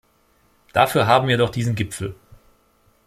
Dafür haben wir doch diesen Gipfel.